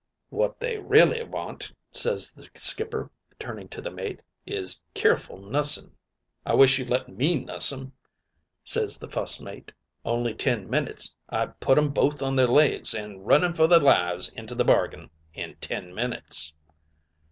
"'What they reely want,' ses the skipper, turning to the mate, 'is keerful nussing.' "'I wish you'd let me nuss 'em,' ses the fust mate, 'only ten minutes I'd put 'em both on their legs, an' running for their lives into the bargain, in ten minutes.'